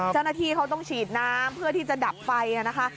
เจ้าหน้าที่เขาต้องฉีดน้ำเพื่อที่จะดับไฟนะคะ